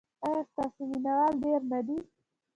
ایا ستاسو مینه وال ډیر نه دي؟